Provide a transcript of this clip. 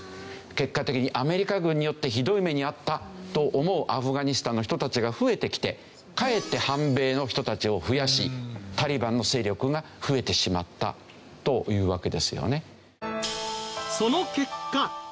結果的にアメリカ軍によってひどい目に遭ったと思うアフガニスタンの人たちが増えてきてかえって反米の人たちを増やしタリバンの勢力が増えてしまったというわけですよね。